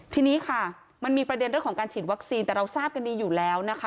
ทีนี้ค่ะมันมีประเด็นเรื่องของการฉีดวัคซีนแต่เราทราบกันดีอยู่แล้วนะคะ